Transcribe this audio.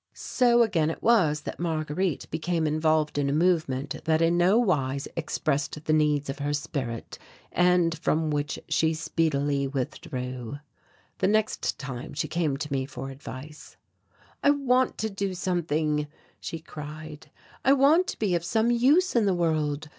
So again it was that Marguerite became involved in a movement that in no wise expressed the needs of her spirit, and from which she speedily withdrew. The next time she came to me for advice. "I want to do something," she cried. "I want to be of some use in the world.